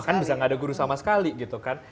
kan bisa gak ada guru sama sekali gitu kan